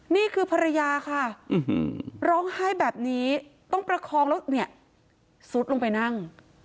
นี่คือภรรยาค่ะร้องไห้แบบนี้ต้องประคองแล้วเนี่ยซุดลงไปนั่ง